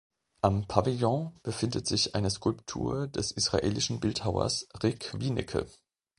Am Pavillon befindet sich eine Skulptur des israelischen Bildhauers Rick Wienecke.